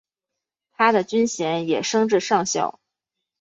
他的军衔也升至上校。